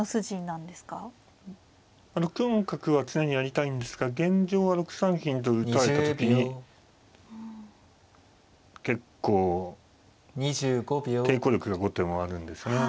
６四角は常にやりたいんですが現状は６三金と打たれた時に結構抵抗力が後手もあるんですね。